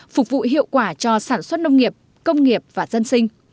phục vụ hiệu quả cho sản xuất nông nghiệp công nghiệp và dân sinh